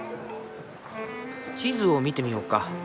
地図を見てみようか。